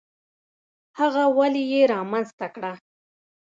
هغه ولې یې رامنځته کړه؟